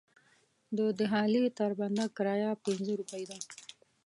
د دهالې تر بنده کرایه پنځه روپۍ ده.